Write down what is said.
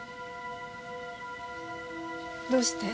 どうして？